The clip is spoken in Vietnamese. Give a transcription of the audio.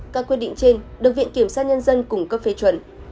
các quyết định trên được viện kiểm sát nhân dân cung cấp phê chuẩn